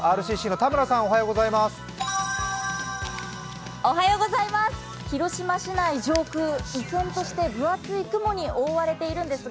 ＲＣＣの田村さんおはようございます。